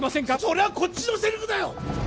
それはこっちのセリフだよ